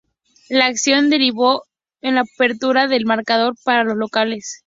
La acción derivó en la apertura del marcador para los locales.